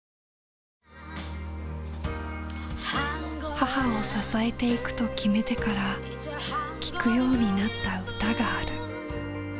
母を支えていくと決めてから聴くようになった歌がある。